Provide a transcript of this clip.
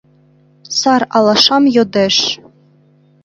Сар алашам йодеш